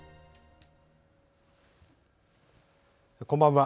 こんばんは。